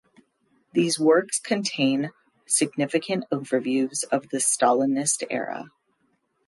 These works contain significant overviews of the Stalinist era.